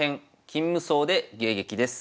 金無双で迎撃」です。